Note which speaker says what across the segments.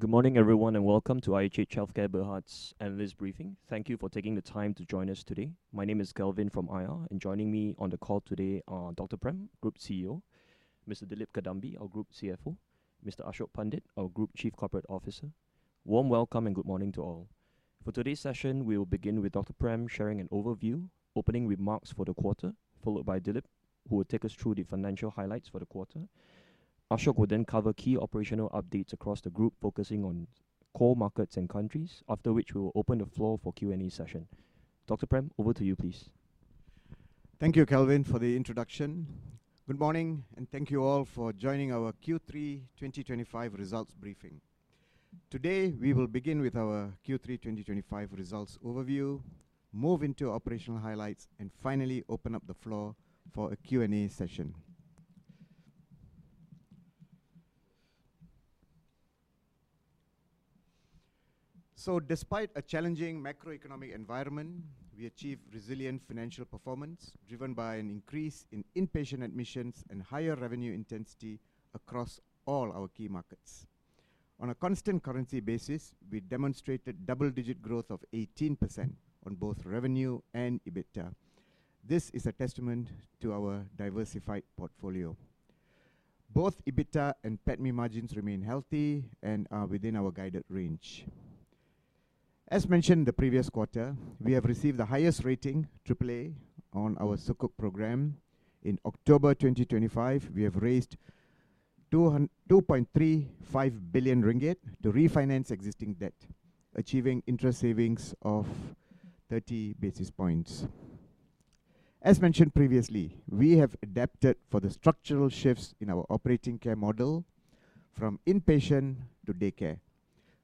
Speaker 1: Good morning, everyone, and welcome to IHH Healthcare Berhad's annual briefing. Thank you for taking the time to join us today. My name is Kelvin from IHH, and joining me on the call today are Dr. Prem, Group CEO, Mr. Dilip Kadambi, our Group CFO, Mr. Ashok Pandit, our Group Chief Corporate Officer. Warm welcome and good morning to all. For today's session, we will begin with Dr. Prem sharing an overview, opening remarks for the quarter, followed by Dilip, who will take us through the financial highlights for the quarter. Ashok will then cover key operational updates across the group, focusing on core markets and countries, after which we will open the floor for Q&A session. Dr. Prem, over to you, please.
Speaker 2: Thank you, Kelvin, for the introduction. Good morning, and thank you all for joining our Q3 2025 results briefing. Today, we will begin with our Q3 2025 results overview, move into operational highlights, and finally open up the floor for a Q&A session. So, despite a challenging macroeconomic environment, we achieved resilient financial performance driven by an increase in inpatient admissions and higher revenue intensity across all our key markets. On a constant currency basis, we demonstrated double-digit growth of 18% on both revenue and EBITDA. This is a testament to our diversified portfolio. Both EBITDA and PATMI margins remain healthy and are within our guided range. As mentioned the previous quarter, we have received the highest rating, AAA, on our Sukuk program. In October 2025, we have raised 2.35 billion ringgit to refinance existing debt, achieving interest savings of 30 basis points. As mentioned previously, we have adapted for the structural shifts in our operating care model, from inpatient to day care.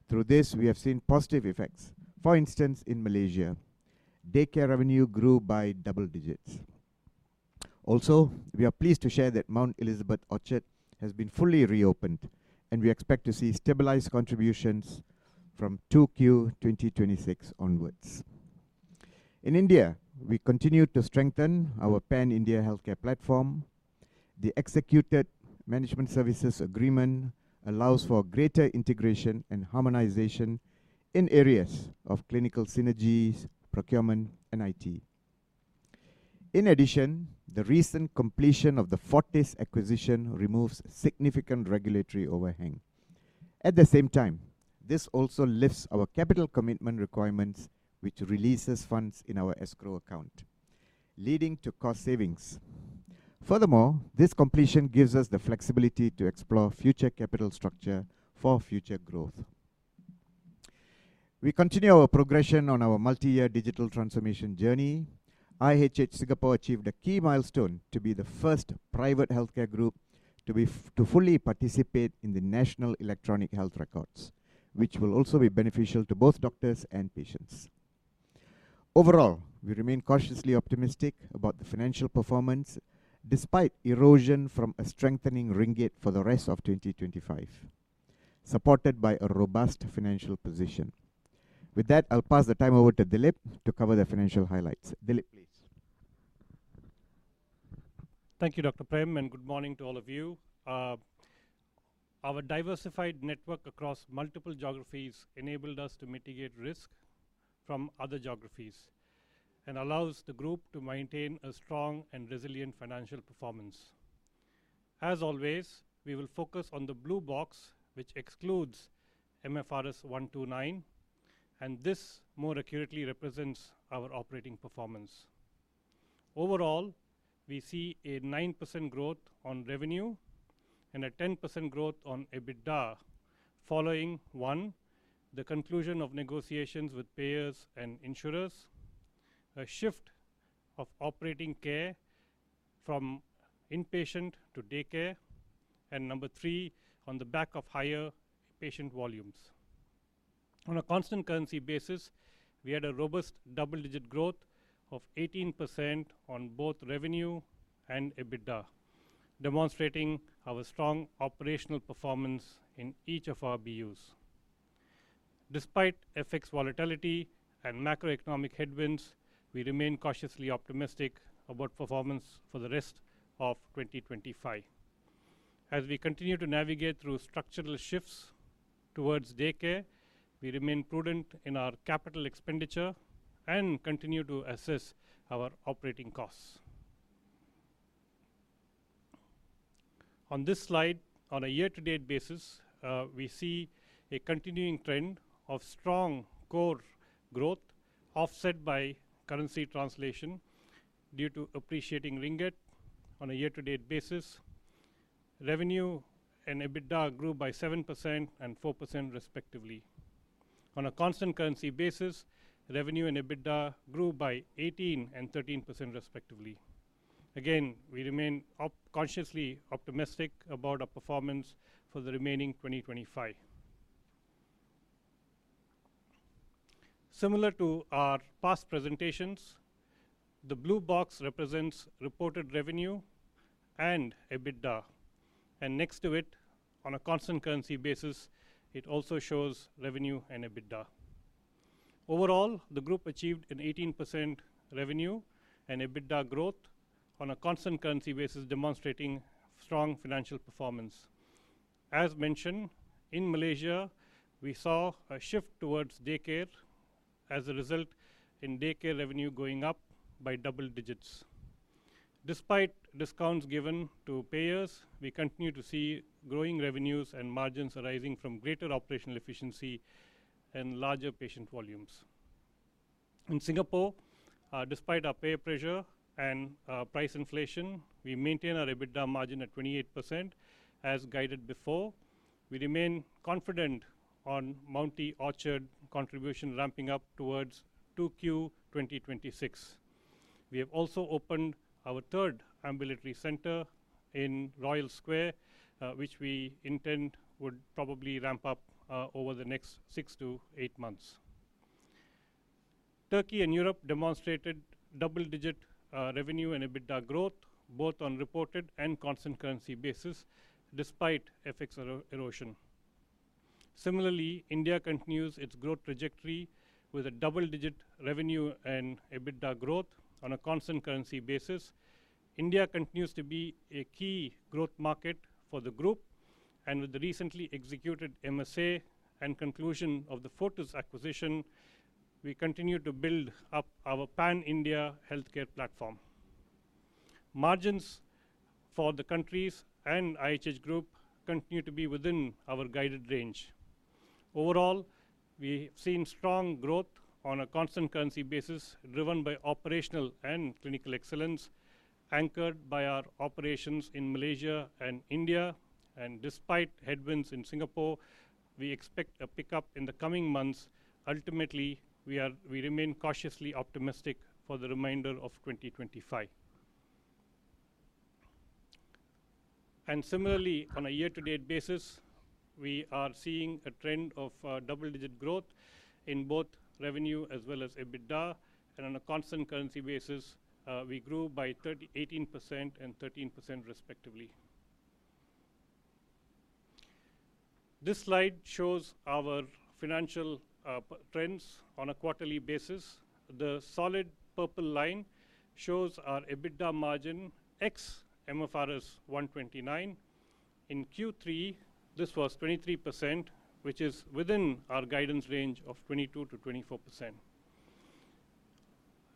Speaker 2: Through this, we have seen positive effects. For instance, in Malaysia, day care revenue grew by double digits. Also, we are pleased to share that Mount Elizabeth Orchard has been fully reopened, and we expect to see stabilized contributions from Q2 2026 onwards. In India, we continue to strengthen our Pan-India healthcare platform. The Executive Management Services Agreement allows for greater integration and harmonization in areas of clinical synergies, procurement, and IT. In addition, the recent completion of the Fortis acquisition removes significant regulatory overhang. At the same time, this also lifts our capital commitment requirements, which releases funds in our escrow account, leading to cost savings. Furthermore, this completion gives us the flexibility to explore future capital structure for future growth. We continue our progression on our multi-year digital transformation journey. IHH Singapore achieved a key milestone to be the first private healthcare group to fully participate in the National Electronic Health Records, which will also be beneficial to both doctors and patients. Overall, we remain cautiously optimistic about the financial performance, despite erosion from a strengthening ringgit for the rest of 2025, supported by a robust financial position. With that, I'll pass the time over to Dilip to cover the financial highlights. Dilip, please.
Speaker 3: Thank you, Dr. Prem, and good morning to all of you. Our diversified network across multiple geographies enabled us to mitigate risk from other geographies and allows the group to maintain a strong and resilient financial performance. As always, we will focus on the blue box, which excludes MFRS 129, and this more accurately represents our operating performance. Overall, we see a 9% growth on revenue and a 10% growth on EBITDA, following, one, the conclusion of negotiations with payers and insurers, a shift of operating care from inpatient to day care, and number three, on the back of higher patient volumes. On a constant currency basis, we had a robust double-digit growth of 18% on both revenue and EBITDA, demonstrating our strong operational performance in each of our BUs. Despite FX volatility and macroeconomic headwinds, we remain cautiously optimistic about performance for the rest of 2025. As we continue to navigate through structural shifts towards day care, we remain prudent in our capital expenditure and continue to assess our operating costs. On this slide, on a year-to-date basis, we see a continuing trend of strong core growth, offset by currency translation due to appreciating ringgit on a year-to-date basis. Revenue and EBITDA grew by 7% and 4%, respectively. On a constant currency basis, revenue and EBITDA grew by 18% and 13%, respectively. Again, we remain cautiously optimistic about our performance for the remaining 2025. Similar to our past presentations, the blue box represents reported revenue and EBITDA, and next to it, on a constant currency basis, it also shows revenue and EBITDA. Overall, the group achieved an 18% revenue and EBITDA growth on a constant currency basis, demonstrating strong financial performance. As mentioned, in Malaysia, we saw a shift towards day care as a result in day care revenue going up by double digits. Despite discounts given to payers, we continue to see growing revenues and margins arising from greater operational efficiency and larger patient volumes. In Singapore, despite our payer pressure and price inflation, we maintain our EBITDA margin at 28%, as guided before. We remain confident on Mount Elizabeth Orchard contribution ramping up towards Q2 2026. We have also opened our third ambulatory center in Royal Square, which we intend would probably ramp up over the next six to eight months. Turkey and Europe demonstrated double-digit revenue and EBITDA growth, both on reported and constant currency basis, despite FX erosion. Similarly, India continues its growth trajectory with a double-digit revenue and EBITDA growth on a constant currency basis. India continues to be a key growth market for the group, and with the recently executed MSA and conclusion of the Fortis acquisition, we continue to build up our Pan-India healthcare platform. Margins for the countries and IHH Group continue to be within our guided range. Overall, we have seen strong growth on a constant currency basis, driven by operational and clinical excellence anchored by our operations in Malaysia and India, and despite headwinds in Singapore, we expect a pickup in the coming months. Ultimately, we remain cautiously optimistic for the remainder of 2025. And similarly, on a year-to-date basis, we are seeing a trend of double-digit growth in both revenue as well as EBITDA, and on a constant currency basis, we grew by 18% and 13%, respectively. This slide shows our financial trends on a quarterly basis. The solid purple line shows our EBITDA margin ex MFRS 129. In Q3, this was 23%, which is within our guidance range of 22% to 24%.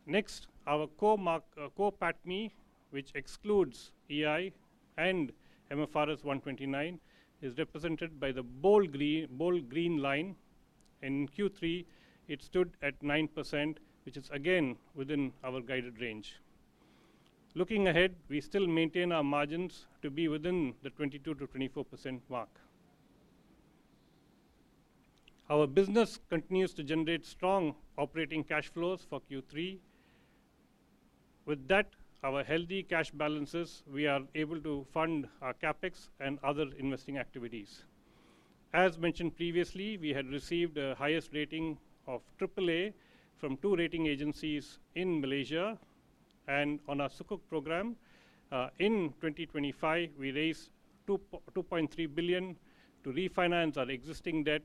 Speaker 3: Next, our core PATMI, which excludes EI and MFRS 129, is represented by the bold green line. In Q3, it stood at 9%, which is again within our guided range. Looking ahead, we still maintain our margins to be within the 22% to 24% mark. Our business continues to generate strong operating cash flows for Q3. With that, our healthy cash balances, we are able to fund our CapEx and other investing activities. As mentioned previously, we had received the highest rating of AAA from two rating agencies in Malaysia. On our Sukuk program, in 2025, we raised 2.3 billion to refinance our existing debt,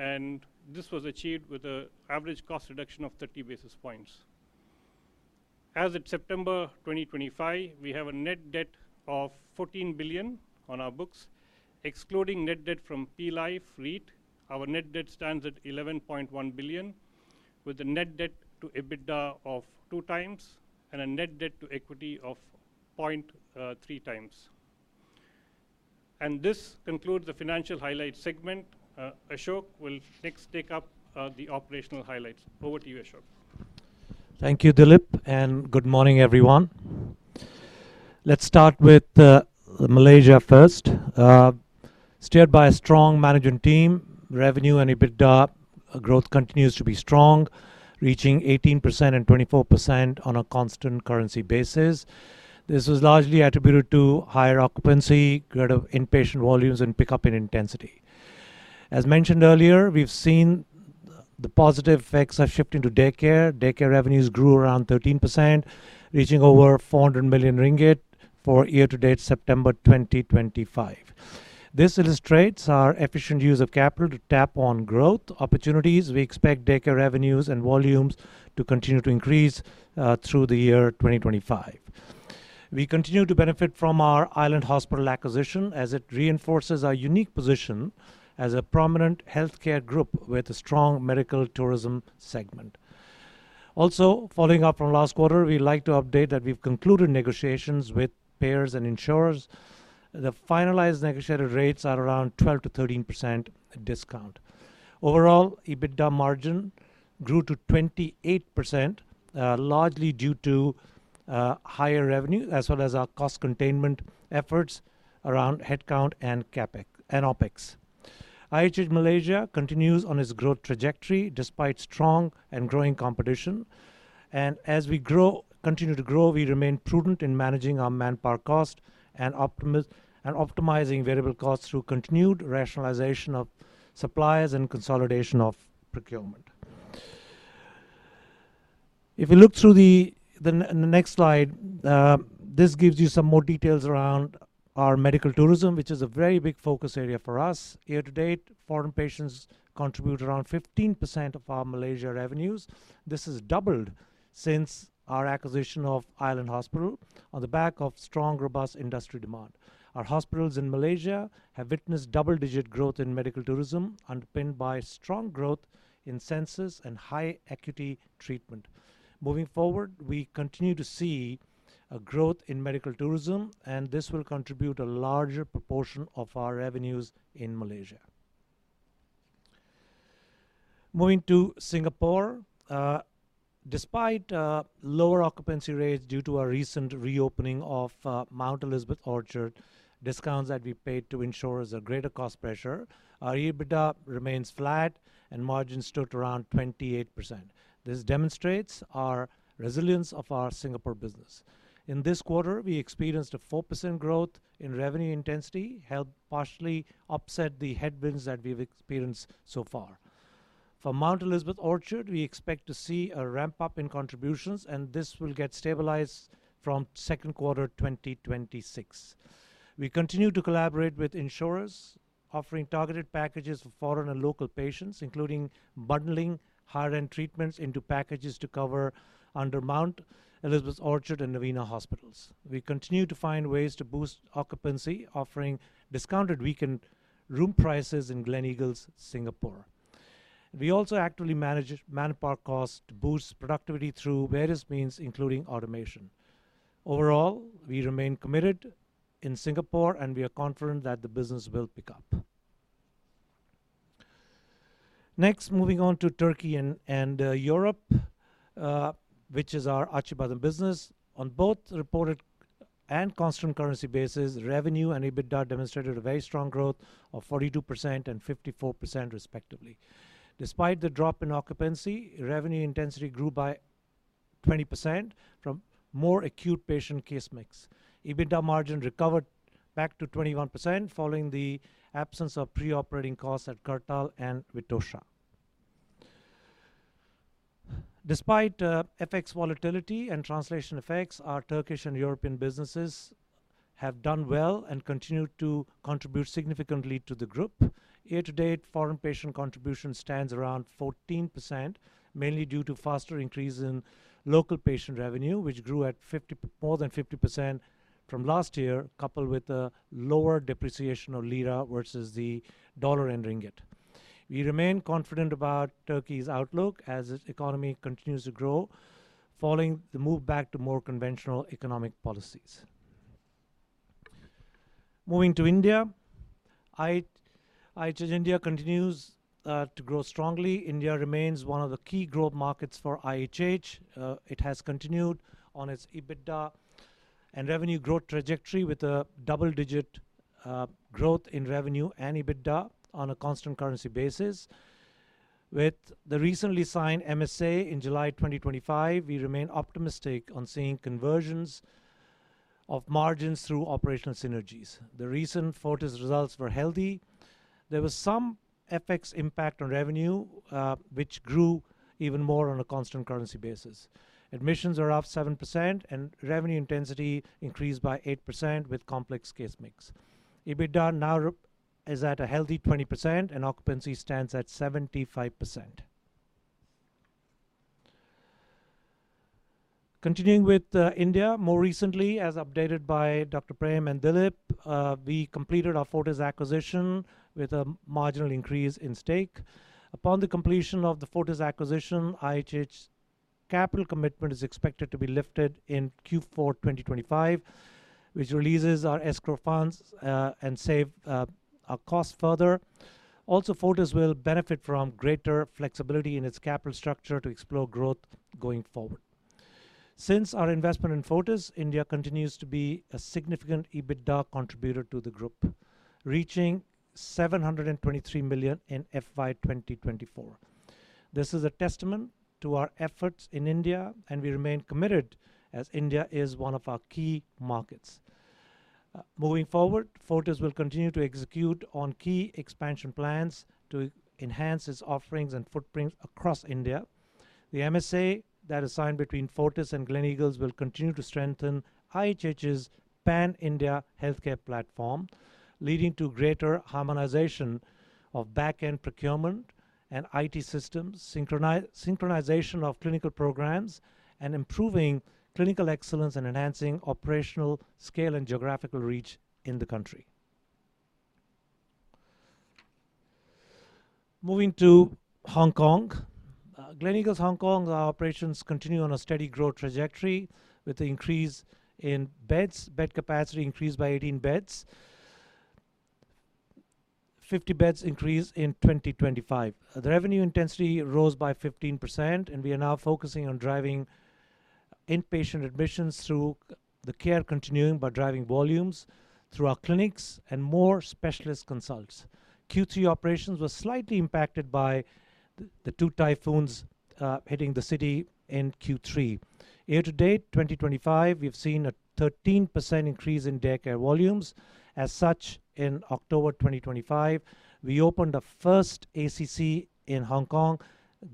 Speaker 3: and this was achieved with an average cost reduction of 30 basis points. As of September 2025, we have a net debt of 14 billion on our books. Excluding net debt from P-Life REIT, our net debt stands at 11.1 billion, with a net debt to EBITDA of two times and a net debt to equity of 0.3x. This concludes the financial highlights segment. Ashok will next take up the operational highlights. Over to you, Ashok.
Speaker 4: Thank you, Dilip, and good morning, everyone. Let's start with Malaysia first. Steered by a strong management team, revenue and EBITDA growth continues to be strong, reaching 18% and 24% on a constant currency basis. This was largely attributed to higher occupancy, greater inpatient volumes, and pickup in intensity. As mentioned earlier, we've seen the positive effects of shifting to day care. day care revenues grew around 13%, reaching over 400 million ringgit for year-to-date September 2025. This illustrates our efficient use of capital to tap on growth opportunities. We expect day care revenues and volumes to continue to increase through the year 2025. We continue to benefit from our Island Hospital acquisition, as it reinforces our unique position as a prominent healthcare group with a strong medical tourism segment. Also, following up from last quarter, we'd like to update that we've concluded negotiations with payers and insurers. The finalized negotiated rates are around 12% to 13% discount. Overall, EBITDA margin grew to 28%, largely due to higher revenue, as well as our cost containment efforts around headcount and OPEX. IHH Malaysia continues on its growth trajectory despite strong and growing competition, and as we continue to grow, we remain prudent in managing our manpower cost and optimizing variable costs through continued rationalization of suppliers and consolidation of procurement. If we look through the next slide, this gives you some more details around our medical tourism, which is a very big focus area for us. Year-to-date, foreign patients contribute around 15% of our Malaysia revenues. This has doubled since our acquisition of Island Hospital on the back of strong, robust industry demand. Our hospitals in Malaysia have witnessed double-digit growth in medical tourism, underpinned by strong growth in census and high acuity treatment. Moving forward, we continue to see a growth in medical tourism, and this will contribute to a larger proportion of our revenues in Malaysia. Moving to Singapore, despite lower occupancy rates due to our recent reopening of Mount Elizabeth Orchard, discounts that we paid to insurers are greater cost pressure, our EBITDA remains flat and margins stood around 28%. This demonstrates our resilience of our Singapore business. In this quarter, we experienced a 4% growth in revenue intensity, helped partially offset the headwinds that we've experienced so far. For Mount Elizabeth Orchard, we expect to see a ramp-up in contributions, and this will get stabilized from second quarter 2026. We continue to collaborate with insurers, offering targeted packages for foreign and local patients, including bundling higher-end treatments into packages to cover under Mount Elizabeth Orchard and Novena Hospitals. We continue to find ways to boost occupancy, offering discounted weekend room prices in Gleneagles Singapore. We also actively manage manpower costs, boost productivity through various means, including automation. Overall, we remain committed in Singapore, and we are confident that the business will pick up. Next, moving on to Turkey and Europe, which is our Acıbadem business. On both reported and constant currency basis, revenue and EBITDA demonstrated a very strong growth of 42% and 54%, respectively. Despite the drop in occupancy, revenue intensity grew by 20% from more acute patient case mix. EBITDA margin recovered back to 21% following the absence of pre-operating costs at Kartal and Vitosha. Despite FX volatility and translation effects, our Turkish and European businesses have done well and continue to contribute significantly to the group. Year-to-date, foreign patient contribution stands around 14%, mainly due to faster increase in local patient revenue, which grew at more than 50% from last year, coupled with a lower depreciation of lira versus the dollar and ringgit. We remain confident about Turkey's outlook as its economy continues to grow, following the move back to more conventional economic policies. Moving to India, IHH India continues to grow strongly. India remains one of the key growth markets for IHH. It has continued on its EBITDA and revenue growth trajectory with a double-digit growth in revenue and EBITDA on a constant currency basis. With the recently signed MSA in July 2025, we remain optimistic on seeing conversions of margins through operational synergies. The recent Fortis results were healthy. There was some FX impact on revenue, which grew even more on a constant currency basis. Admissions are off 7%, and revenue intensity increased by 8% with complex case mix. EBITDA now is at a healthy 20%, and occupancy stands at 75%. Continuing with India, more recently, as updated by Dr. Prem and Dilip, we completed our Fortis acquisition with a marginal increase in stake. Upon the completion of the Fortis acquisition, IHH capital commitment is expected to be lifted in Q4 2025, which releases our escrow funds and saves our costs further. Also, Fortis will benefit from greater flexibility in its capital structure to explore growth going forward. Since our investment in Fortis, India continues to be a significant EBITDA contributor to the group, reaching Rs 723 million in FY 2024. This is a testament to our efforts in India, and we remain committed as India is one of our key markets. Moving forward, Fortis will continue to execute on key expansion plans to enhance its offerings and footprint across India. The MSA that is signed between Fortis and Gleneagles will continue to strengthen IHH's Pan-India healthcare platform, leading to greater harmonization of back-end procurement and IT systems, synchronization of clinical programs, and improving clinical excellence and enhancing operational scale and geographical reach in the country. Moving to Hong Kong, Gleneagles Hong Kong, our operations continue on a steady growth trajectory with an increase in beds, bed capacity increased by 18 beds, 50 beds increased in 2025. The revenue intensity rose by 15%, and we are now focusing on driving inpatient admissions through the care continuum by driving volumes through our clinics and more specialist consults. Q3 operations were slightly impacted by the two typhoons hitting the city in Q3. Year-to-date 2025, we've seen a 13% increase in day care volumes. As such, in October 2025, we opened the first ACC in Hong Kong,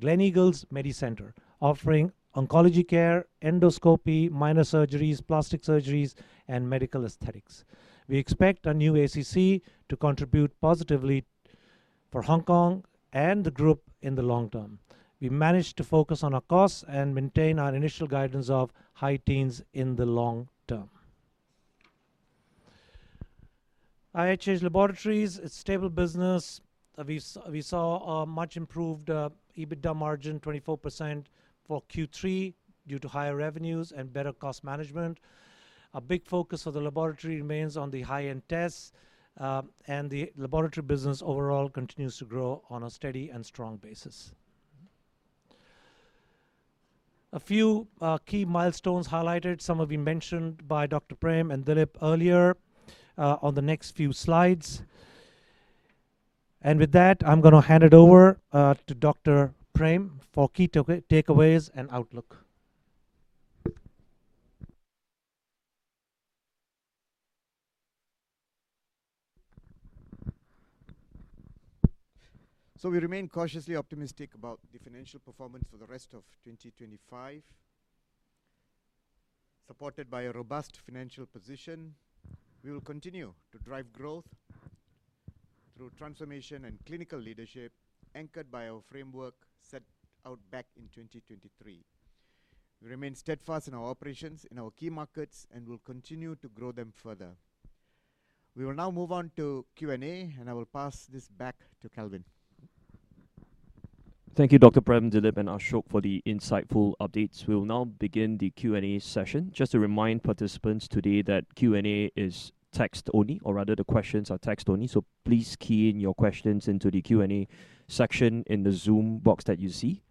Speaker 4: Gleneagles Medical Centre, offering oncology care, endoscopy, minor surgeries, plastic surgeries, and medical aesthetics. We expect a new ACC to contribute positively for Hong Kong and the group in the long term. We managed to focus on our costs and maintain our initial guidance of high teens in the long term. IHH Laboratories, it's stable business. We saw a much-improved EBITDA margin, 24% for Q3 due to higher revenues and better cost management. A big focus for the laboratory remains on the high-end tests, and the laboratory business overall continues to grow on a steady and strong basis. A few key milestones highlighted, some of them mentioned by Dr. Prem and Dilip earlier on the next few slides, and with that, I'm going to hand it over to Dr. Prem for key takeaways and outlook.
Speaker 2: So we remain cautiously optimistic about the financial performance for the rest of 2025. Supported by a robust financial position, we will continue to drive growth through transformation and clinical leadership anchored by our framework set out back in 2023. We remain steadfast in our operations in our key markets and will continue to grow them further. We will now move on to Q&A, and I will pass this back to Kelvin.
Speaker 1: Thank you, Dr. Prem, Dilip, and Ashok for the insightful updates. We will now begin the Q&A session. Just to remind participants today that Q&A is text-only, or rather the questions are text-only. So please key in your questions into the Q&A section in the Zoom box that you see.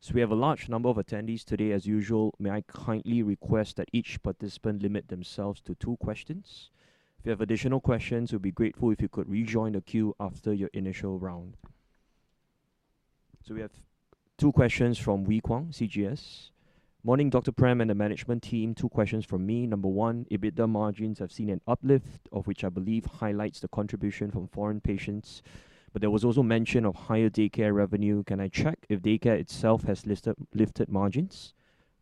Speaker 1: So we have a large number of attendees today. As usual, may I kindly request that each participant limit themselves to two questions? If you have additional questions, we'd be grateful if you could rejoin the queue after your initial round. So we have two questions from Wee Kuang, CGS.
Speaker 5: Morning, Dr. Prem and the management team. Two questions from me. Number one, EBITDA margins have seen an uplift, which I believe highlights the contribution from foreign patients. But there was also mention of higher day care revenue. Can I check if day care itself has lifted margins?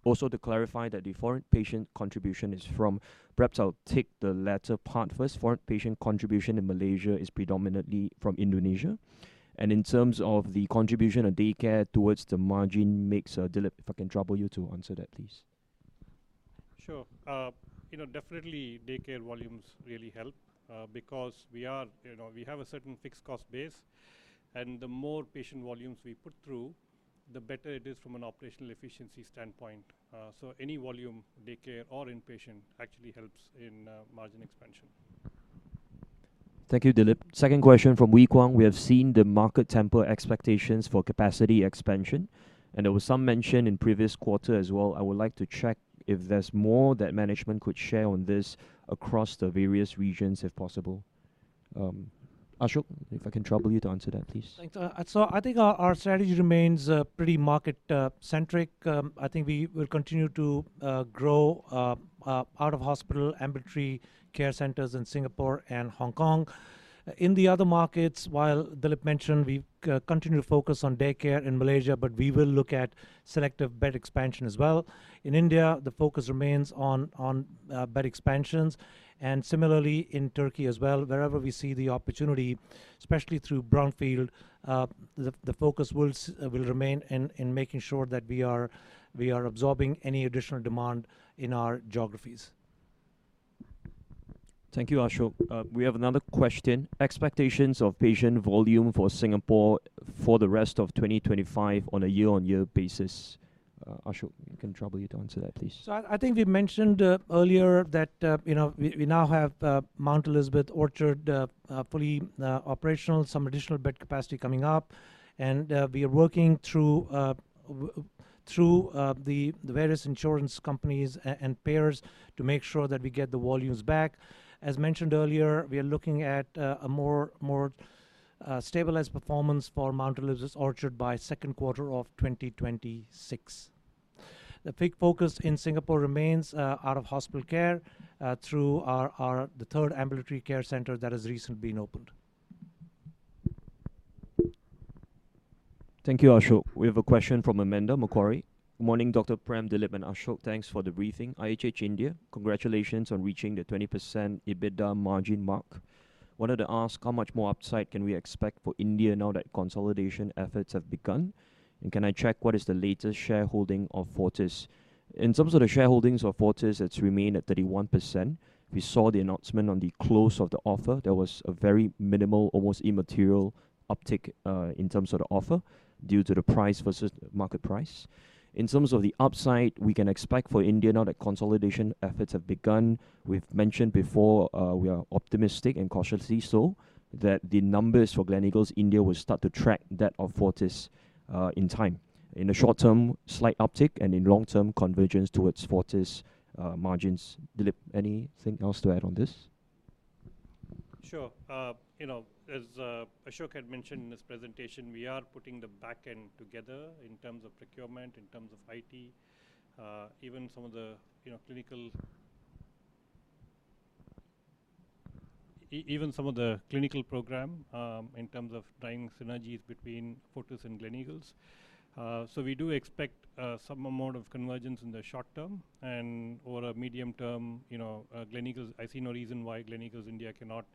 Speaker 5: Also, to clarify that the foreign patient contribution is from, perhaps I'll take the latter part first. Foreign patient contribution in Malaysia is predominantly from Indonesia. And in terms of the contribution of day care towards the margin mix, Dilip, if I can trouble you to answer that, please.
Speaker 3: Sure. Definitely, day care volumes really help because we have a certain fixed cost base, and the more patient volumes we put through, the better it is from an operational efficiency standpoint, so any volume, day care or inpatient, actually helps in margin expansion.
Speaker 1: Thank you, Dilip. Second question from Wee Kuang.
Speaker 5: We have seen the market temper expectations for capacity expansion. And there was some mention in previous quarter as well. I would like to check if there's more that management could share on this across the various regions, if possible. Ashok, if I can trouble you to answer that, please.
Speaker 4: Thanks, so I think our strategy remains pretty market-centric. I think we will continue to grow out-of-hospital ambulatory care centers in Singapore and Hong Kong. In the other markets, while Dilip mentioned, we continue to focus on day care in Malaysia, but we will look at selective bed expansion as well. In India, the focus remains on bed expansions, and similarly, in Turkey as well, wherever we see the opportunity, especially through brownfield, the focus will remain in making sure that we are absorbing any additional demand in our geographies.
Speaker 1: Thank you, Ashok. We have another question.
Speaker 6: Expectations of patient volume for Singapore for the rest of 2025 on a year-on-year basis? Ashok, could I trouble you to answer that, please.
Speaker 4: So I think we mentioned earlier that we now have Mount Elizabeth Orchard fully operational, some additional bed capacity coming up. And we are working through the various insurance companies and payers to make sure that we get the volumes back. As mentioned earlier, we are looking at a more stabilized performance for Mount Elizabeth Orchard by second quarter of 2026. The big focus in Singapore remains out-of-hospital care through the third ambulatory care center that has recently been opened.
Speaker 1: Thank you, Ashok. We have a question from Amanda Macquarie.
Speaker 6: Good morning, Dr. Prem, Dilip, and Ashok. Thanks for the briefing. IHH India, congratulations on reaching the 20% EBITDA margin mark. Wanted to ask how much more upside can we expect for India now that consolidation efforts have begun? And can I check what is the latest shareholding of Fortis?
Speaker 1: In terms of the shareholdings of Fortis, it's remained at 31%. We saw the announcement on the close of the offer. There was a very minimal, almost immaterial uptick in terms of the offer due to the price versus market price. In terms of the upside, we can expect for India now that consolidation efforts have begun. We've mentioned before we are optimistic and cautiously so that the numbers for Gleneagles, India will start to track that of Fortis in time. In the short term, slight uptick, and in long term, convergence towards Fortis margins. Dilip, anything else to add on this?
Speaker 3: Sure. As Ashok had mentioned in this presentation, we are putting the back end together in terms of procurement, in terms of IT, even some of the clinical program in terms of trying synergies between Fortis and Gleneagles. So we do expect some amount of convergence in the short term, and over a medium term, I see no reason why Gleneagles India cannot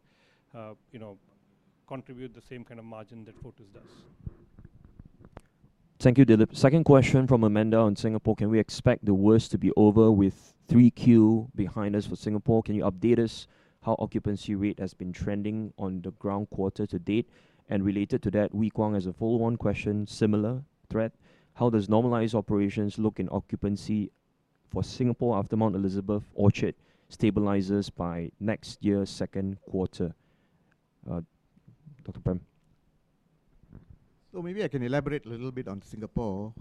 Speaker 3: contribute the same kind of margin that Fortis does.
Speaker 1: Thank you, Dilip. Second question from Amanda on Singapore.
Speaker 6: Can we expect the worst to be over with 3Q behind us for Singapore? Can you update us how occupancy rate has been trending on the ground quarter to date?
Speaker 1: And related to that, Wei Kuang has a follow-on question, similar theme.
Speaker 5: How does normalized operations look in occupancy for Singapore after Mount Elizabeth Orchard stabilizes by next year's second quarter? Dr. Prem.
Speaker 2: So maybe I can elaborate a little bit on Singapore.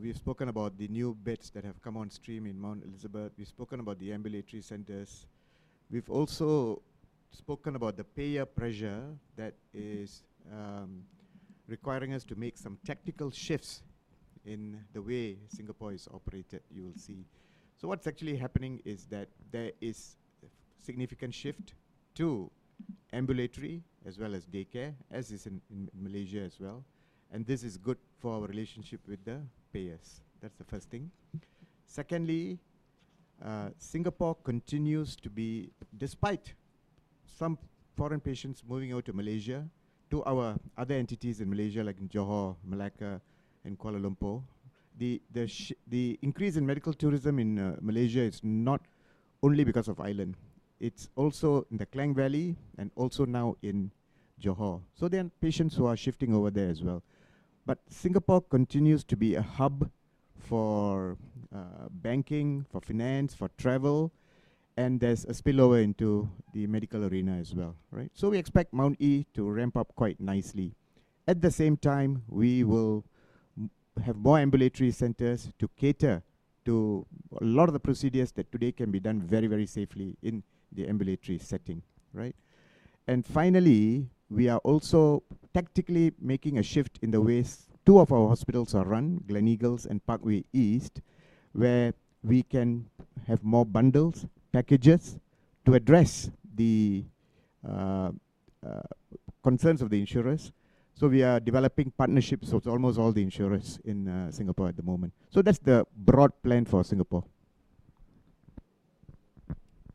Speaker 2: We've spoken about the new beds that have come on stream in Mount Elizabeth. We've spoken about the ambulatory centers. We've also spoken about the payer pressure that is requiring us to make some tactical shifts in the way Singapore is operated, you will see. So what's actually happening is that there is a significant shift to ambulatory as well as day care, as is in Malaysia as well. And this is good for our relationship with the payers. That's the first thing. Secondly, Singapore continues to be, despite some foreign patients moving over to Malaysia, to our other entities in Malaysia like Johor, Melaka, and Kuala Lumpur, the increase in medical tourism in Malaysia is not only because of Island. It's also in the Klang Valley and also now in Johor. So there are patients who are shifting over there as well. But Singapore continues to be a hub for banking, for finance, for travel, and there's a spillover into the medical arena as well. So we expect Mount E to ramp up quite nicely. At the same time, we will have more ambulatory centers to cater to a lot of the procedures that today can be done very, very safely in the ambulatory setting. And finally, we are also tactically making a shift in the ways two of our hospitals are run, Gleneagles and Parkway East, where we can have more bundles, packages to address the concerns of the insurers. So we are developing partnerships with almost all the insurers in Singapore at the moment. So that's the broad plan for Singapore.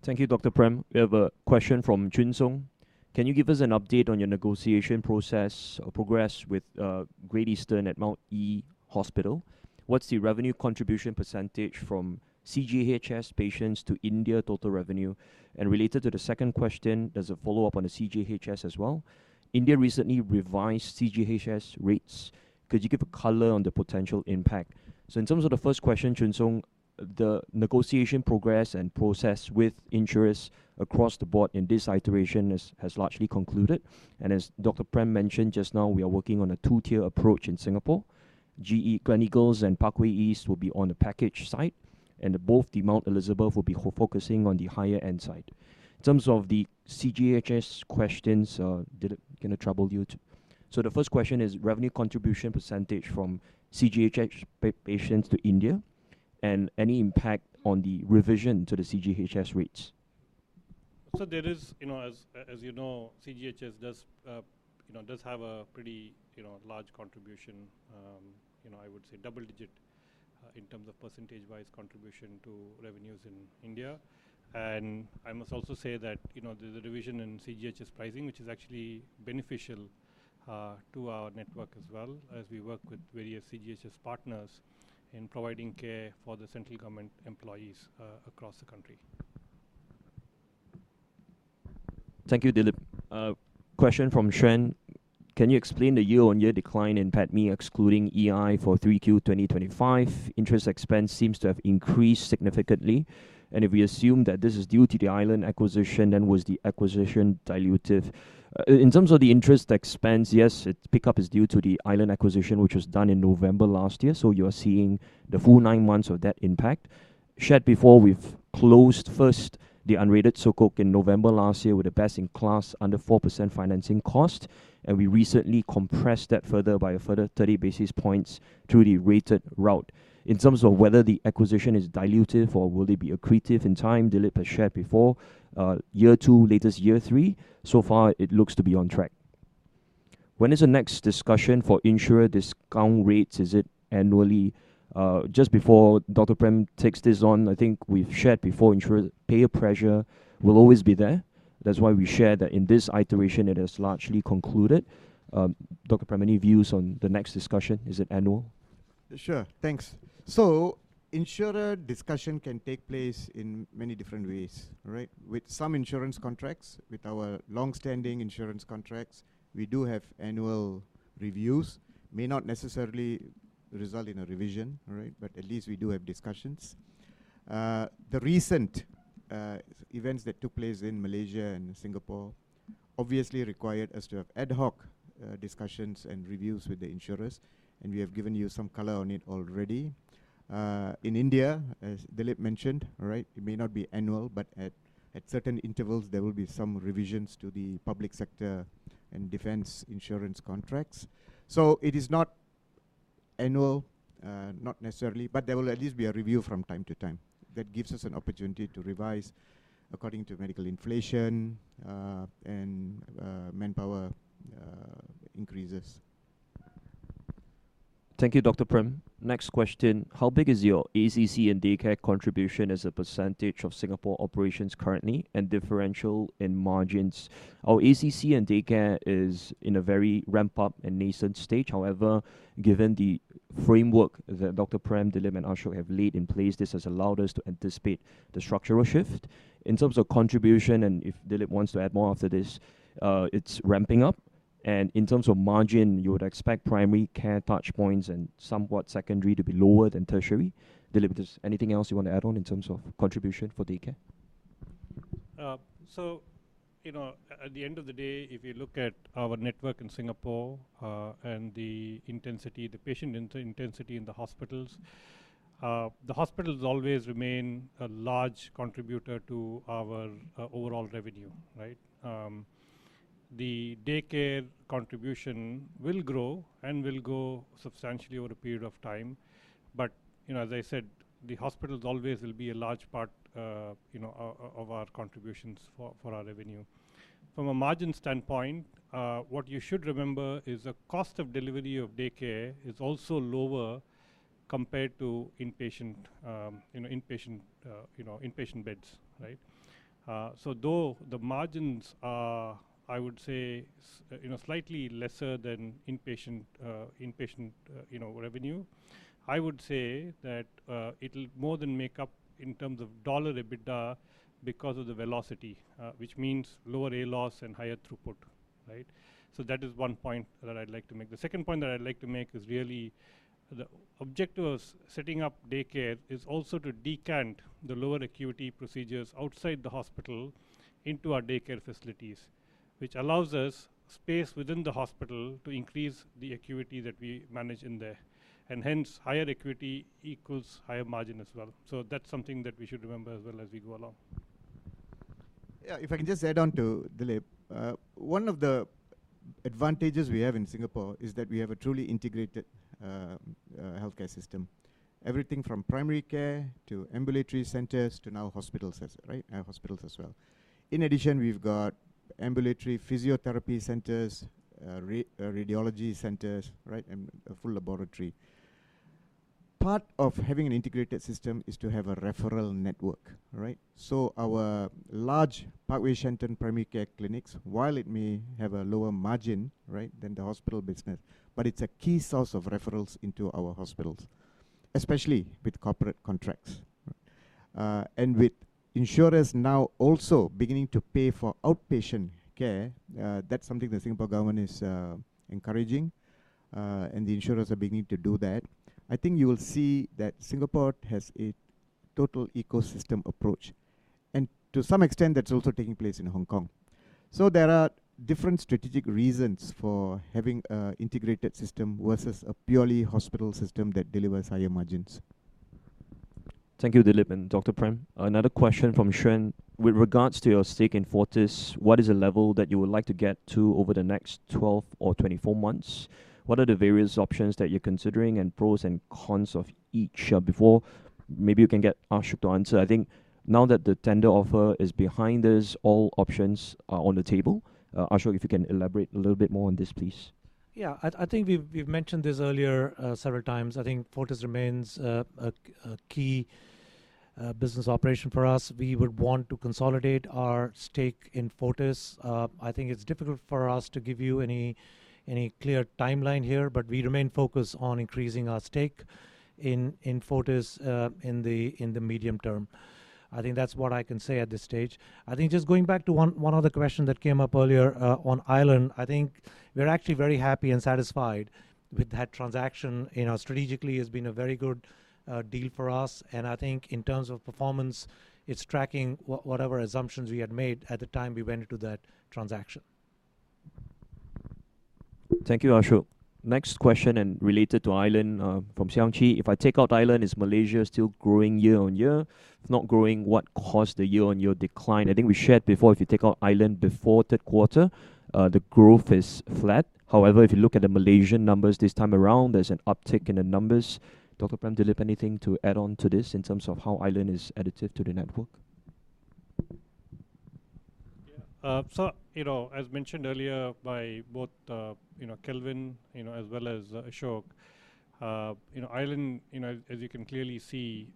Speaker 1: Thank you, Dr. Prem. We have a question from Jun Song.
Speaker 6: Can you give us an update on your negotiation process or progress with Great Eastern at Mount E Hospital? What's the revenue contribution percentage from CGHS patients to India total revenue? And related to the second question, there's a follow-up on the CGHS as well. India recently revised CGHS rates. Could you give a color on the potential impact?
Speaker 1: So in terms of the first question, Jun Song, the negotiation progress and process with insurers across the board in this iteration has largely concluded. And as Dr. Prem mentioned just now, we are working on a two-tier approach in Singapore. Gleneagles and Parkway East will be on the package side. And both the Mount Elizabeth will be focusing on the higher-end side. In terms of the CGHS questions, Dilip, can I trouble you? The first question is revenue contribution percentage from CGHS patients to India and any impact on the revision to the CGHS rates.
Speaker 3: There is, as you know, CGHS does have a pretty large contribution, I would say double-digit in terms of percentage-wise contribution to revenues in India. I must also say that there's a revision in CGHS pricing, which is actually beneficial to our network as well as we work with various CGHS partners in providing care for the central government employees across the country.
Speaker 1: Thank you, Dilip. Question from Shen.
Speaker 6: Can you explain the year-on-year decline in PATMI, excluding EI for 3Q 2025? Interest expense seems to have increased significantly. And if we assume that this is due to the Island acquisition, then was the acquisition dilutive?
Speaker 1: In terms of the interest expense, yes, its pickup is due to the Island acquisition, which was done in November last year. So you are seeing the full nine months of that impact. Shared before, we've closed first the unrated Sukuk in November last year with a best-in-class under 4% financing cost. And we recently compressed that further by a further 30 basis points through the rated route. In terms of whether the acquisition is dilutive or will it be accretive in time, Dilip has shared before, year two, latest year three. So far, it looks to be on track. When is the next discussion for insurer discount rates? Is it annually? Just before Dr. Prem takes this on, I think we've shared before, insurer payer pressure will always be there. That's why we share that in this iteration, it has largely concluded. Dr. Prem, any views on the next discussion? Is it annual?
Speaker 2: Sure. Thanks. So insurer discussion can take place in many different ways. With some insurance contracts, with our long-standing insurance contracts, we do have annual reviews. May not necessarily result in a revision, but at least we do have discussions. The recent events that took place in Malaysia and Singapore obviously required us to have ad hoc discussions and reviews with the insurers. And we have given you some color on it already. In India, as Dilip mentioned, it may not be annual, but at certain intervals, there will be some revisions to the public sector and defense insurance contracts. So it is not annual, not necessarily, but there will at least be a review from time to time. That gives us an opportunity to revise according to medical inflation and manpower increases.
Speaker 1: Thank you, Dr. Prem. Next question.
Speaker 6: How big is your ACC and day care contribution as a percentage of Singapore operations currently and differential in margins?
Speaker 1: Our ACC and day care is in a very ramp-up and nascent stage. However, given the framework that Dr. Prem, Dilip, and Ashok have laid in place, this has allowed us to anticipate the structural shift. In terms of contribution, and if Dilip wants to add more after this, it's ramping up. And in terms of margin, you would expect primary care touchpoints and somewhat secondary to be lower than tertiary. Dilip, is there anything else you want to add on in terms of contribution for day care?
Speaker 3: At the end of the day, if you look at our network in Singapore and the patient intensity in the hospitals, the hospitals always remain a large contributor to our overall revenue. The day care contribution will grow and will grow substantially over a period of time. But as I said, the hospitals always will be a large part of our contributions for our revenue. From a margin standpoint, what you should remember is the cost of delivery of day care is also lower compared to inpatient beds. Though the margins are, I would say, slightly lesser than inpatient revenue, I would say that it'll more than make up in terms of dollar EBITDA because of the velocity, which means lower ALOS and higher throughput. That is one point that I'd like to make. The second point that I'd like to make is really the objective of setting up day care is also to decant the lower acuity procedures outside the hospital into our day care facilities, which allows us space within the hospital to increase the acuity that we manage in there, and hence, higher acuity equals higher margin as well, so that's something that we should remember as well as we go along.
Speaker 2: Yeah, if I can just add on to Dilip, one of the advantages we have in Singapore is that we have a truly integrated healthcare system. Everything from primary care to ambulatory centers to now hospitals as well. In addition, we've got ambulatory physiotherapy centers, radiology centers, and a full laboratory. Part of having an integrated system is to have a referral network. So our large Parkway Shenton primary care clinics, while it may have a lower margin than the hospital business, but it's a key source of referrals into our hospitals, especially with corporate contracts. And with insurers now also beginning to pay for outpatient care, that's something the Singapore government is encouraging. And the insurers are beginning to do that. I think you will see that Singapore has a total ecosystem approach. And to some extent, that's also taking place in Hong Kong. There are different strategic reasons for having an integrated system versus a purely hospital system that delivers higher margins.
Speaker 1: Thank you, Dilip. And Dr. Prem, another question from Shen.
Speaker 6: With regards to your stake in Fortis, what is the level that you would like to get to over the next 12 or 24 months? What are the various options that you're considering and pros and cons of each? Before maybe you can get Ashok to answer, I think now that the tender offer is behind us, all options are on the table. Ashok, if you can elaborate a little bit more on this, please.
Speaker 4: Yeah, I think we've mentioned this earlier several times. I think Fortis remains a key business operation for us. We would want to consolidate our stake in Fortis. I think it's difficult for us to give you any clear timeline here, but we remain focused on increasing our stake in Fortis in the medium term. I think that's what I can say at this stage. I think just going back to one other question that came up earlier on Island, I think we're actually very happy and satisfied with that transaction. Strategically, it has been a very good deal for us. And I think in terms of performance, it's tracking whatever assumptions we had made at the time we went into that transaction.
Speaker 1: Thank you, Ashok. Next question and related to Island from Siang Chi.
Speaker 7: If I take out Island, is Malaysia still growing year on year? If not growing, what caused the year-on-year decline?
Speaker 1: I think we shared before, if you take out Island before third quarter, the growth is flat. However, if you look at the Malaysian numbers this time around, there's an uptick in the numbers. Dr. Prem, Dilip, anything to add on to this in terms of how Island is additive to the network?
Speaker 3: As mentioned earlier by both Kelvin as well as Ashok, Island, as you can clearly see,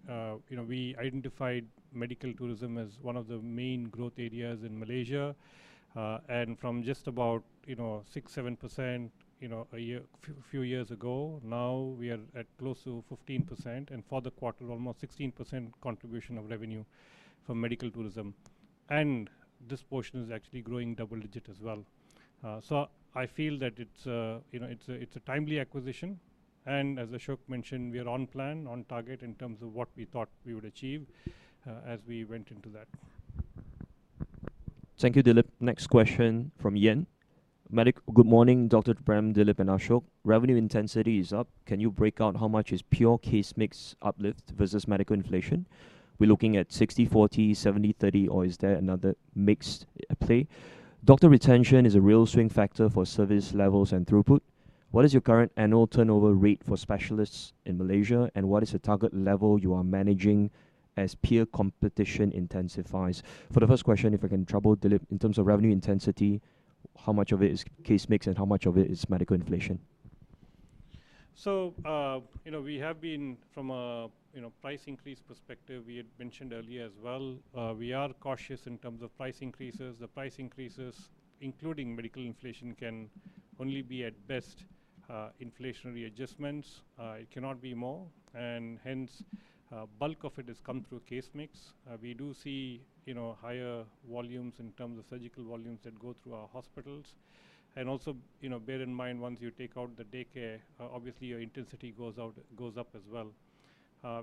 Speaker 3: we identified medical tourism as one of the main growth areas in Malaysia. And from just about 6% to 7% a few years ago, now we are at close to 15%. And for the quarter, almost 16% contribution of revenue for medical tourism. And this portion is actually growing double-digit as well. So, I feel that it's a timely acquisition. And as Ashok mentioned, we are on plan, on target in terms of what we thought we would achieve as we went into that.
Speaker 1: Thank you, Dilip. Next question from Yen.
Speaker 6: Good morning, Dr. Prem, Dilip, and Ashok. Revenue intensity is up. Can you break out how much is pure case mix uplift versus medical inflation? We're looking at 60-40, 70-30, or is there another mixed play? Doctor retention is a real swing factor for service levels and throughput. What is your current annual turnover rate for specialists in Malaysia? And what is the target level you are managing as peer competition intensifies?
Speaker 1: For the first question, if I can trouble Dilip, in terms of revenue intensity, how much of it is case mix and how much of it is medical inflation?
Speaker 3: We have been from a price increase perspective. We had mentioned earlier as well, we are cautious in terms of price increases. The price increases, including medical inflation, can only be at best inflationary adjustments. It cannot be more. And hence, bulk of it has come through case mix. We do see higher volumes in terms of surgical volumes that go through our hospitals. And also bear in mind, once you take out the day care, obviously your intensity goes up as well.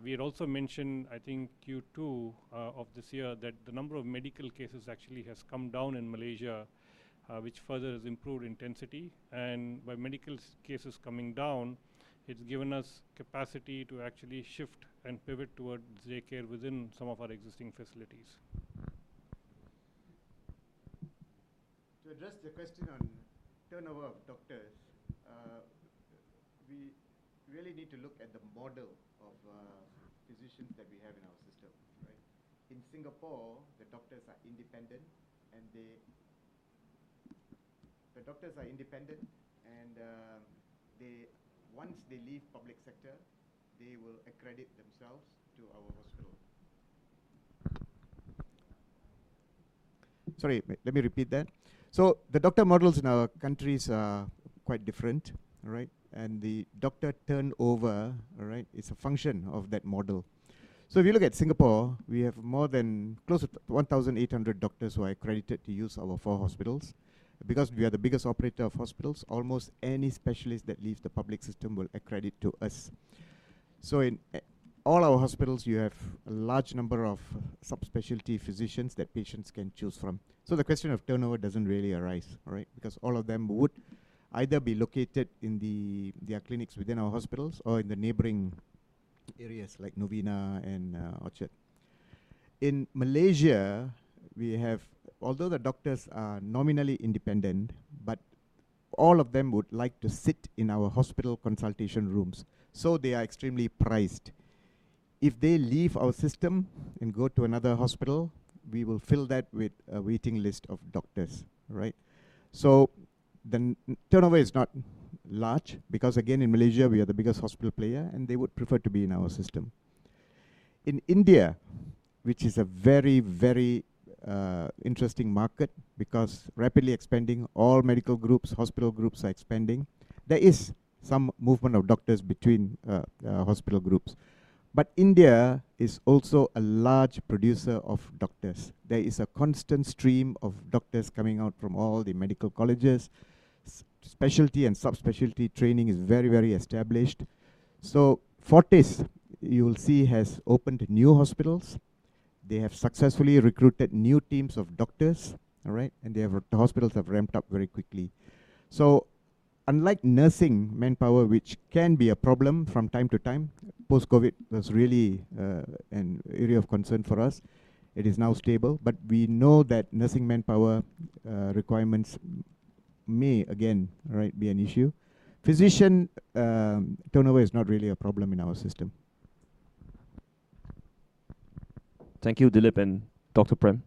Speaker 3: We had also mentioned, I think Q2 of this year, that the number of medical cases actually has come down in Malaysia, which further has improved intensity. And by medical cases coming down, it's given us capacity to actually shift and pivot towards day care within some of our existing facilities.
Speaker 2: To address the question on turnover of doctors, we really need to look at the model of physicians that we have in our system. In Singapore, the doctors are independent, and once they leave public sector, they will accredit themselves to our hospital. Sorry, let me repeat that. So the doctor models in our countries are quite different. And the doctor turnover is a function of that model. So if you look at Singapore, we have more than close to 1,800 doctors who are accredited to use our four hospitals. Because we are the biggest operator of hospitals, almost any specialist that leaves the public system will accredit to us. So in all our hospitals, you have a large number of subspecialty physicians that patients can choose from. So the question of turnover doesn't really arise because all of them would either be located in the clinics within our hospitals or in the neighboring areas like Novena and Orchard. In Malaysia, although the doctors are nominally independent, but all of them would like to sit in our hospital consultation rooms. So they are extremely prized. If they leave our system and go to another hospital, we will fill that with a waiting list of doctors. So the turnover is not large because, again, in Malaysia, we are the biggest hospital player, and they would prefer to be in our system. In India, which is a very, very interesting market because rapidly expanding, all medical groups, hospital groups are expanding. There is some movement of doctors between hospital groups. But India is also a large producer of doctors. There is a constant stream of doctors coming out from all the medical colleges. Specialty and subspecialty training is very, very established. So Fortis, you will see, has opened new hospitals. They have successfully recruited new teams of doctors. And the hospitals have ramped up very quickly. Unlike nursing manpower, which can be a problem from time to time, post-COVID was really an area of concern for us. It is now stable. But we know that nursing manpower requirements may, again, be an issue. Physician turnover is not really a problem in our system. Thank you, Dilip. And Dr. Prem.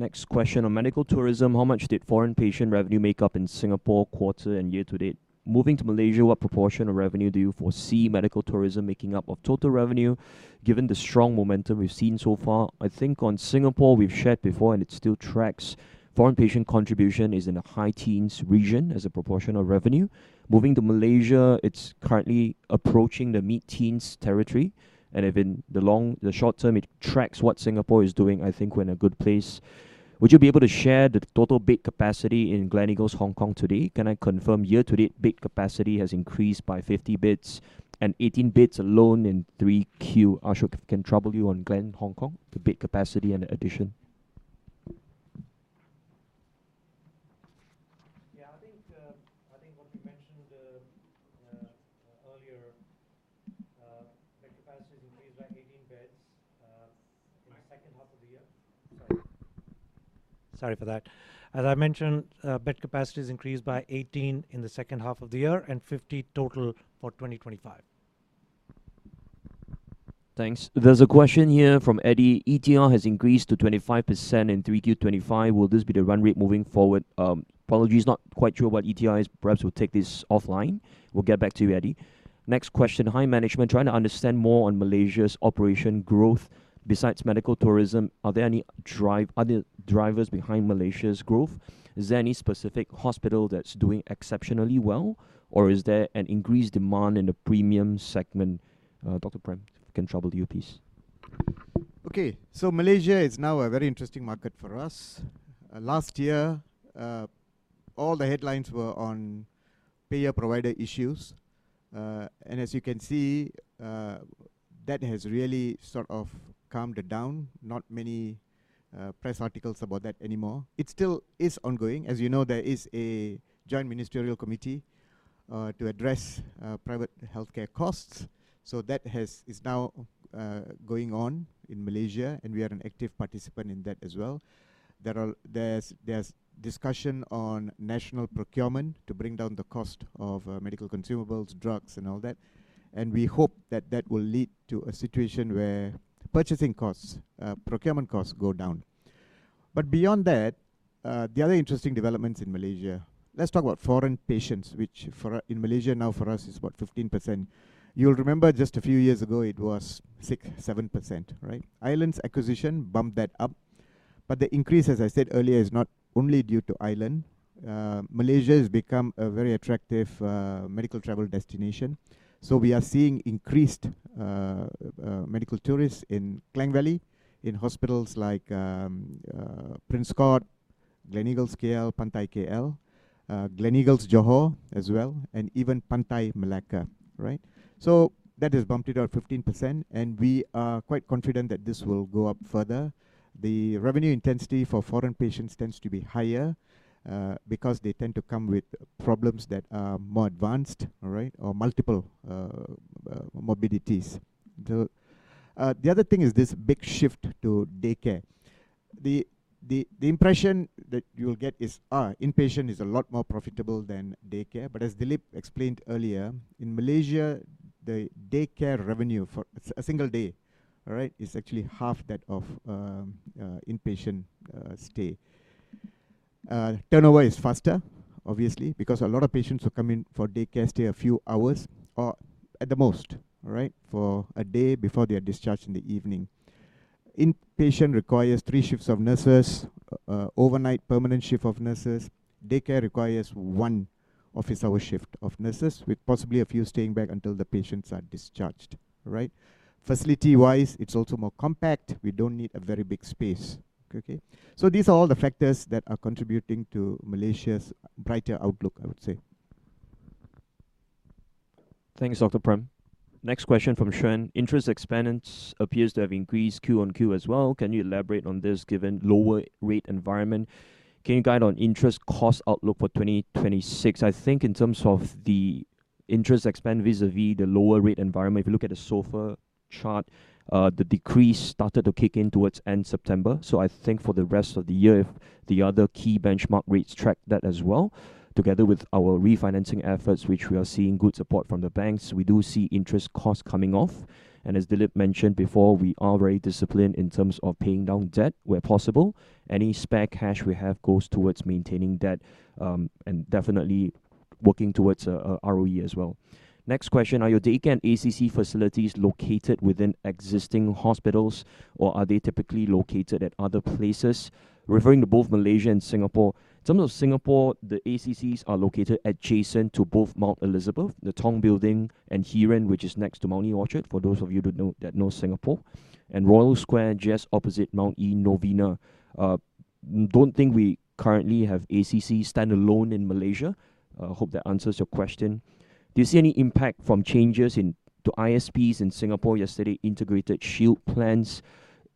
Speaker 1: Next question on medical tourism.
Speaker 6: How much did foreign patient revenue make up in Singapore, quarter and year to date? Moving to Malaysia, what proportion of revenue do you foresee medical tourism making up of total revenue given the strong momentum we've seen so far?
Speaker 1: I think on Singapore, we've shared before, and it still tracks. Foreign patient contribution is in the high teens region as a proportion of revenue. Moving to Malaysia, it's currently approaching the mid-teens territory. And in the short term, it tracks what Singapore is doing, I think, when a good place.
Speaker 6: Would you be able to share the total bed capacity in Gleneagles, Hong Kong today? Can I confirm year to date bed capacity has increased by 50 beds and 18 beds alone in 3Q? Ashok, can I trouble you on Glen, Hong Kong, the bed capacity and the addition?
Speaker 4: Yeah, I think what you mentioned earlier, bed capacity has increased by 18 beds in the second half of the year. Sorry. Sorry for that. As I mentioned, bed capacity has increased by 18 in the second half of the year and 50 total for 2025.
Speaker 1: Thanks. There's a question here from Eddie.
Speaker 6: ETR has increased to 25% in 3Q25. Will this be the run rate moving forward? Apologies. Not quite sure what ETR is. Perhaps we'll take this offline. We'll get back to you, Eddie. Next question. Hi, management, trying to understand more on Malaysia's operational growth. Besides medical tourism, are there any drivers behind Malaysia's growth? Is there any specific hospital that's doing exceptionally well? Or is there an increased demand in the premium segment? Dr. Prem, could I trouble you, please.
Speaker 2: Okay. Malaysia is now a very interesting market for us. Last year, all the headlines were on payer-provider issues. As you can see, that has really sort of calmed down. Not many press articles about that anymore. It still is ongoing. As you know, there is a joint ministerial committee to address private healthcare costs. That is now going on in Malaysia. We are an active participant in that as well. There's discussion on national procurement to bring down the cost of medical consumables, drugs, and all that. We hope that that will lead to a situation where purchasing costs, procurement costs go down. Beyond that, the other interesting developments in Malaysia, let's talk about foreign patients, which in Malaysia now for us is about 15%. You'll remember just a few years ago, it was 6%, 7%. Island's acquisition bumped that up. The increase, as I said earlier, is not only due to Island. Malaysia has become a very attractive medical travel destination. We are seeing increased medical tourists in Klang Valley, in hospitals like Prince Court, Gleneagles KL, Pantai KL, Gleneagles Johor as well, and even Pantai Melaka. That has bumped it up 15%. We are quite confident that this will go up further. The revenue intensity for foreign patients tends to be higher because they tend to come with problems that are more advanced or multiple morbidities. The other thing is this big shift to day care. The impression that you will get is inpatient is a lot more profitable than day care. As Dilip explained earlier, in Malaysia, the day care revenue for a single day is actually half that of inpatient stay. Turnover is faster, obviously, because a lot of patients who come in for day care stay a few hours or at the most for a day before they are discharged in the evening. Inpatient requires three shifts of nurses, overnight permanent shift of nurses. day care requires one office hour shift of nurses, with possibly a few staying back until the patients are discharged. Facility-wise, it's also more compact. We don't need a very big space. So these are all the factors that are contributing to Malaysia's brighter outlook, I would say.
Speaker 1: Thanks, Dr. Prem. Next question from Shen.
Speaker 6: Interest expense appears to have increased Q on Q as well. Can you elaborate on this given lower rate environment? Can you guide on interest cost outlook for 2026?
Speaker 1: I think in terms of the interest expense vis-à-vis the lower rate environment, if you look at the SOFR chart, the decrease started to kick in towards end September. So I think for the rest of the year, if the other key benchmark rates track that as well, together with our refinancing efforts, which we are seeing good support from the banks, we do see interest costs coming off. And as Dilip mentioned before, we are very disciplined in terms of paying down debt where possible. Any spare cash we have goes towards maintaining debt and definitely working towards ROE as well. Next question.
Speaker 6: Are your day care and ACC facilities located within existing hospitals, or are they typically located at other places?
Speaker 1: Referring to both Malaysia and Singapore, in terms of Singapore, the ACCs are located adjacent to both Mount Elizabeth, the Tong Building, and The Heeren, which is next to Mount E. Orchard, for those of you that know Singapore. Royal Square, just opposite Mount E. Novena. Don't think we currently have ACC standalone in Malaysia. Hope that answers your question.
Speaker 6: Do you see any impact from changes to ISPs in Singapore? Yesterday, Integrated Shield Plans.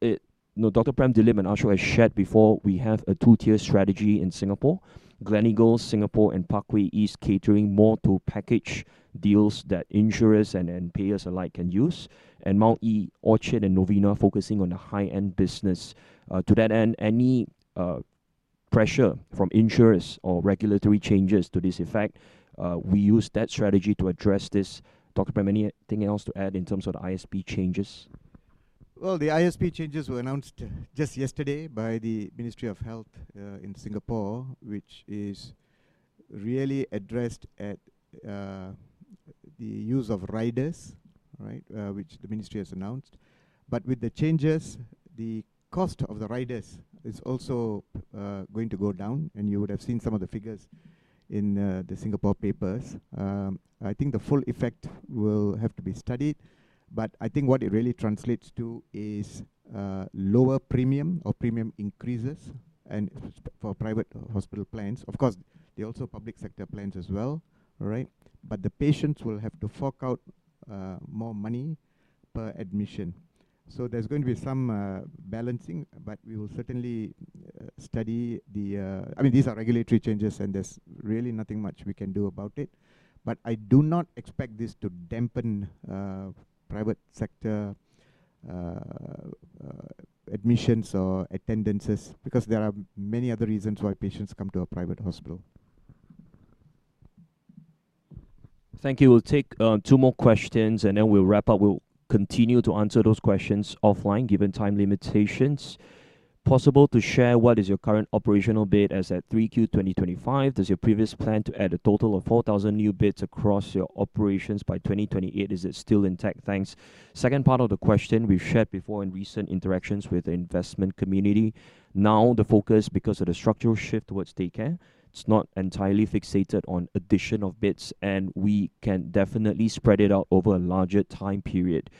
Speaker 1: Dr. Prem, Dilip, and Ashok have shared before. We have a two-tier strategy in Singapore. Gleneagles Singapore and Parkway East catering more to package deals that insurers and payers alike can use. Mount E. Orchard and Novena focusing on the high-end business. To that end, any pressure from insurers or regulatory changes to this effect, we use that strategy to address this. Dr. Prem, anything else to add in terms of the ISP changes?
Speaker 2: The ISP changes were announced just yesterday by the Ministry of Health in Singapore, which is really addressed at the use of riders, which the ministry has announced. With the changes, the cost of the riders is also going to go down. You would have seen some of the figures in the Singapore papers. I think the full effect will have to be studied. I think what it really translates to is lower premium or premium increases for private hospital plans. Of course, there are also public sector plans as well. The patients will have to fork out more money per admission. There's going to be some balancing. We will certainly study the. I mean, these are regulatory changes, and there's really nothing much we can do about it.
Speaker 3: But I do not expect this to dampen private sector admissions or attendances because there are many other reasons why patients come to a private hospital.
Speaker 1: Thank you. We'll take two more questions, and then we'll wrap up. We'll continue to answer those questions offline given time limitations.
Speaker 6: Possible to share what is your current operational bed as at 3Q 2025? Does your previous plan to add a total of 4,000 new beds across your operations by 2028? Is it still intact? Thanks.
Speaker 1: Second part of the question, we've shared before in recent interactions with the investment community. Now the focus, because of the structural shift towards day care, it's not entirely fixated on addition of beds. And we can definitely spread it out over a larger time period.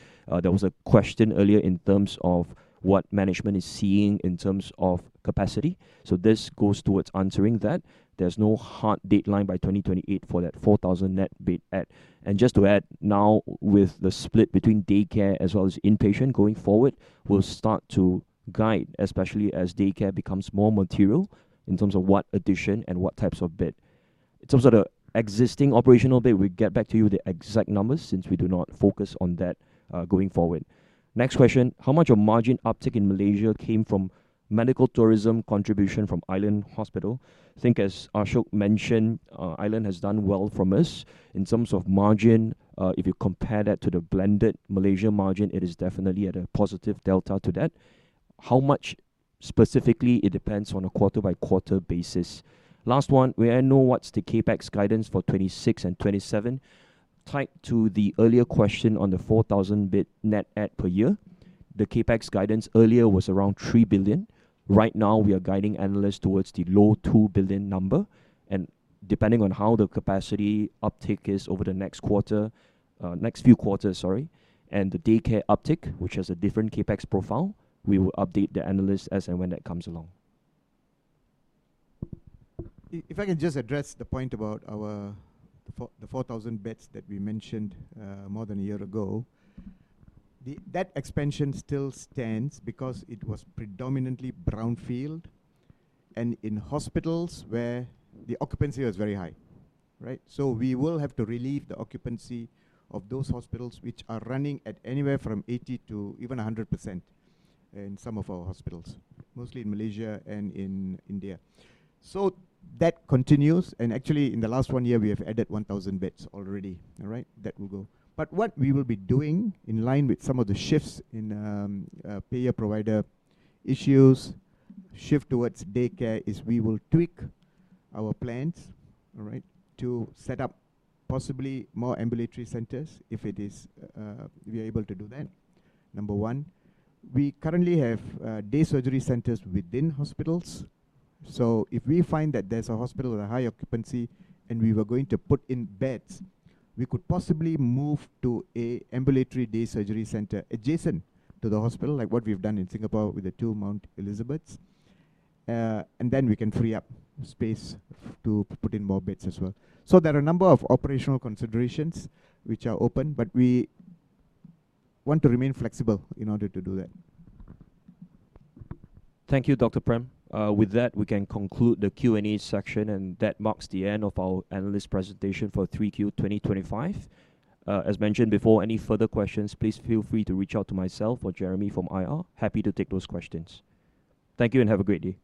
Speaker 1: There was a question earlier in terms of what management is seeing in terms of capacity. So this goes towards answering that. There's no hard deadline by 2028 for that 4,000 net bed add. Just to add, now with the split between day care as well as inpatient going forward, we'll start to guide, especially as day care becomes more material in terms of what addition and what types of bed. In terms of the existing operational bed, we'll get back to you the exact numbers since we do not focus on that going forward. Next question.
Speaker 6: How much of margin uptick in Malaysia came from medical tourism contribution from Island Hospital?
Speaker 1: I think, as Ashok mentioned, Island has done well from us in terms of margin. If you compare that to the blended Malaysia margin, it is definitely at a positive delta to that. How much specifically? It depends on a quarter-by-quarter basis. Last one.
Speaker 6: Do we know what the CapEx guidance is for 2026 and 2027?
Speaker 1: Tied to the earlier question on the 4,000 bed net add per year, the CapEx guidance earlier was around 3 billion. Right now, we are guiding analysts towards the low 2 billion number, and depending on how the capacity uptick is over the next quarter, next few quarters, sorry, and the day care uptick, which has a different CapEx profile, we will update the analysts as and when that comes along.
Speaker 2: If I can just address the point about the 4,000 beds that we mentioned more than a year ago, that expansion still stands because it was predominantly brownfield and in hospitals where the occupancy was very high. So we will have to relieve the occupancy of those hospitals which are running at anywhere from 80% to even 100% in some of our hospitals, mostly in Malaysia and in India. So that continues. And actually, in the last one year, we have added 1,000 beds already. That will go. But what we will be doing in line with some of the shifts in payer-provider issues shift towards day care is we will tweak our plans to set up possibly more ambulatory centers if we are able to do that, number one. We currently have day surgery centers within hospitals. If we find that there's a hospital with a high occupancy and we were going to put in beds, we could possibly move to an ambulatory day surgery center adjacent to the hospital, like what we've done in Singapore with the two Mount Elizabeths. Then we can free up space to put in more beds as well. There are a number of operational considerations which are open, but we want to remain flexible in order to do that.
Speaker 1: Thank you, Dr. Prem. With that, we can conclude the Q&A section, and that marks the end of our analyst presentation for 3Q 2025. As mentioned before, any further questions, please feel free to reach out to myself or Jeremy from IR. Happy to take those questions. Thank you and have a great day.